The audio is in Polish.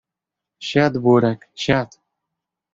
Siad Burek, siad!